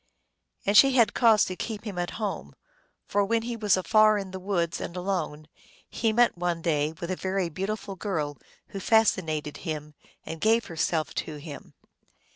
And she had cause to keep him at home, for, when he was afar in the woods, and alone, he met one day with a very beautiful girl, who fascinated him, and gave herself to him.